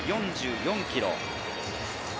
１４４キロ。